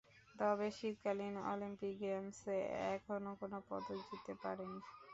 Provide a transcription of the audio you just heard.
তবে শীতকালীন অলিম্পিক গেমসে এখনো কোন পদক জিততে পারেনি।